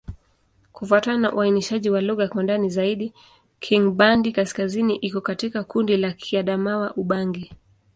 Kufuatana na uainishaji wa lugha kwa ndani zaidi, Kingbandi-Kaskazini iko katika kundi la Kiadamawa-Ubangi.